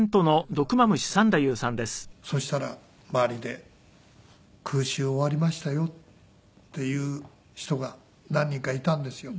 そしたら周りで「空襲終わりましたよ」って言う人が何人かいたんですよ。